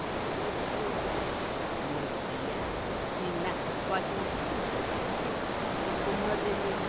もしやみんなわしにきてほしくてここまでのじゅんびを。